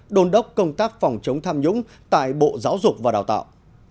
đồn đốc công tác phòng chống tham nhũng tại bộ giáo dục và đào tạo